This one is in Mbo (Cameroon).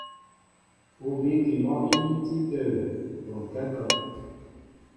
Ú bíkí mɔ́ íhíntí tə̂ bɔnkɛ́ a kɔ.